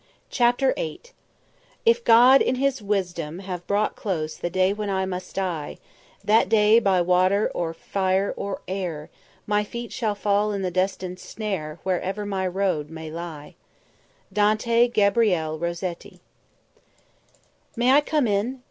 CHAPTER VIII "_If God in His wisdom have brought close The day when I must die, That day by water or fire or air My feet shall fall in the destined snare Wherever my road may lie_." DANTE GABRIEL ROSETTI "May I come in?